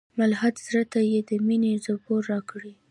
ملحد زړه ته یې د میني زبور راکړی